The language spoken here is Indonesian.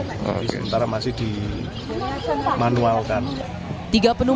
jadi sementara masih dimanualkan